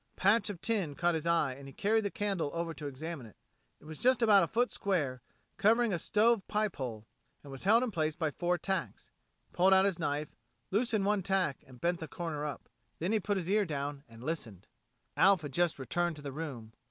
A patch of tin caught his eye and he carried the candle over to examine it. It was about a foot square, covering a stove pipe hole, and was held in place by four tacks. He pulled out his knife, loosened one tack and bent the corner up. Then he put his ear down and listened. Alf had just returned to the room.